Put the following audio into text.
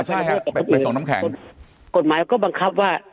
ใช่ครับไปส่งน้ำแข็งกฎหมายก็บังคับว่า